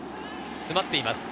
詰まっています。